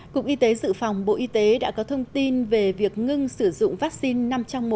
cục y tế dự phòng bộ y tế đã có thông tin về việc ngưng sử dụng vaccine năm trong một